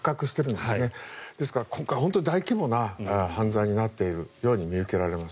ですから今回、本当に大規模な犯罪になっているように見受けられます。